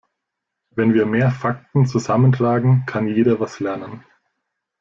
Wenn wir mehr Fakten zusammentragen, kann jeder was lernen.